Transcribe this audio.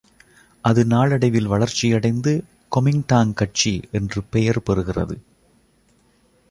அது நாளடைவில் வளர்ச்சியடைந்து கொமிங்டாங் கட்சி என்று பெயர் பெறுகிறது.